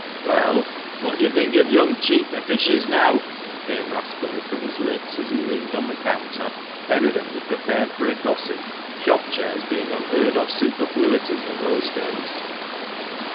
" Well, what do you think of young Cheat the fishes now ?" came raspily from his lips, as he leaned on the counter, evidently prepared for a gossip, shop chairs being unheard of superfluities in those days.